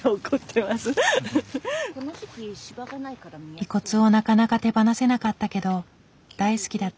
遺骨をなかなか手放せなかったけど大好きだった